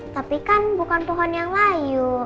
tapi kan bukan tuhan yang layu